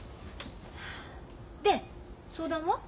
で相談は？